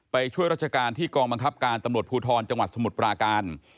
ไปช่วยราชการที่กองบังคับการวคพภูทรภูทร